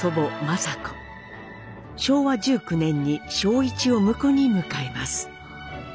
昭和１９年に正一を婿に迎えます。